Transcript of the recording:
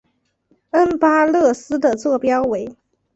恩巴勒斯的座标为。